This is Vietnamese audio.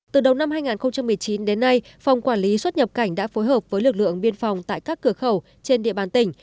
từ đầu năm hai nghìn một mươi chín đến nay phòng quản lý xuất nhập cảnh đã phối hợp với lực lượng biên phòng tại các cửa khẩu trên địa bàn tỉnh